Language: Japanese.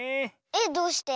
えっどうして？